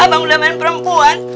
abang udah main perempuan